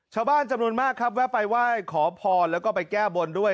ชาวบ้านจำนวนมากครับแวะไปไหว้ขอพรแล้วก็ไปแก้บนด้วย